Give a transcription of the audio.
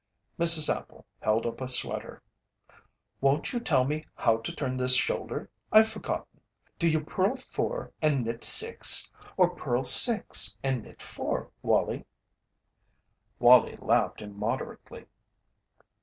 Mrs. Appel held up a sweater: "Won't you tell me how to turn this shoulder? I've forgotten. Do you purl four and knit six, or purl six and knit four, Wallie?" Wallie laughed immoderately.